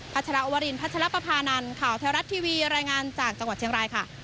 ชรวรินพัชรปภานันข่าวแท้รัฐทีวีรายงานจากจังหวัดเชียงรายค่ะ